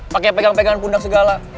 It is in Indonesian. pakai pegang pegangan pundak segala